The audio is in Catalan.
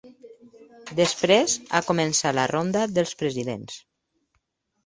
Després ha començat la ronda dels presidents.